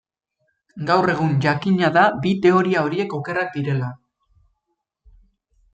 Gaur egun jakina da bi teoria horiek okerrak direla.